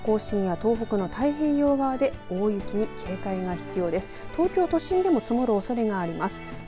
東京都心でも積もるおそれがあります。